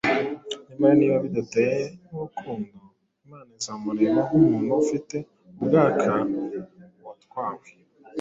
nyamara niba bidatewe n’urukundo, imana izamureba nk’umuntu ufite ubwaka watwawe